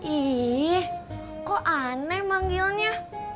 ih kok aneh manggilnya